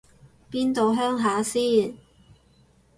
邊度鄉下先